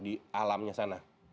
di alamnya sana